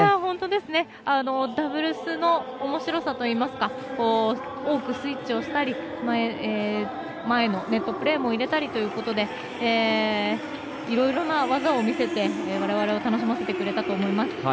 ダブルスのおもしろさといいますか多くスイッチをしたり前のネットプレーも入れたりということでいろいろな技を見せてわれわれを楽しませてくれたと思います。